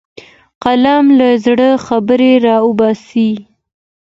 قلم له زړه خبرې راوباسي